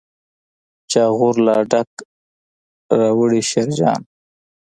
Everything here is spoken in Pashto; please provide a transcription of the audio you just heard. جاغور لا ډک راوړي شیرجان.